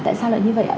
tại sao lại như vậy ạ